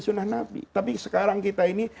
sunnah nabi tapi sekarang kita ini